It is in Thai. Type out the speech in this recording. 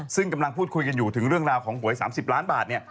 ซึ่งกำลังพูดคุยกันอยู่ถึงเรื่องราวของหวย๓๐ล้านบาทเนี่ย